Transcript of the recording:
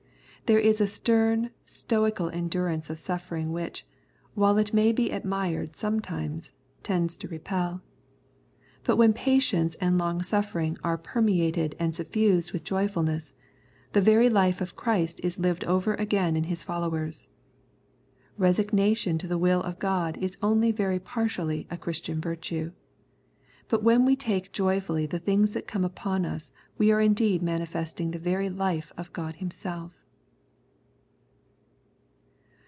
There is a stern, stoical endur ance of suffering which, while it may be admired sometimes, tends to repel. But when patience and longsuffering are per meated and suffused with joyfulness, the very life of Christ is lived over again in His followers. Resignation to the will of God is only very partially a Christian virtue ; but when we take joyfully the things that come upon us we are indeed manifesting the very life of God Himself.